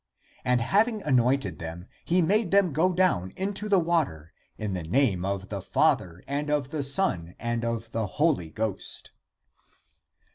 And having anointed them, he made them go down into the water in the name of the Father and of the Son and of the Holy Ghost.